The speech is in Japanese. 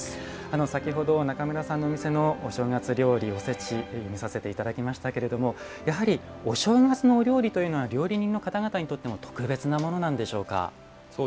先ほど、中村さんのお店のお正月料理おせち見させていただきましたがやはりお正月のお料理というのは料理人の方々にとっても特別なものなんでしょうか？